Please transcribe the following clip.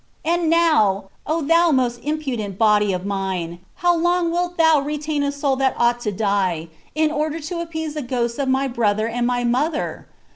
And now, O thou most impudent body of mine, how long wilt thou retain a soul that ought to die, in order to appease the ghosts of my brother and my mother?